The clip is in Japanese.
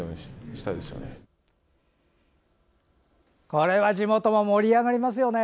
これは地元も盛り上がりますよね！